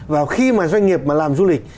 vào khi mà doanh nghiệp mà làm du lịch